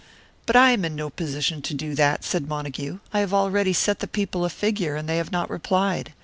"But I am in no position to do that," said Montague. "I have already set the people a figure, and they have not replied.